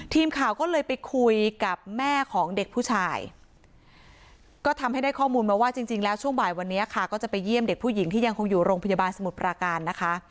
ทีมข่าวก็เลยไปคุยกับแม่ของเด็กผู้ชายก็ทำให้ได้ข้อมูลมาว่าจริงแล้วช่วงบ่ายวันนี้ค่ะก็จะไปเยี่ยมเด็กผู้หญิงที่ยังคงอยู่โรงพยาบาลสมุทรปราการนะคะ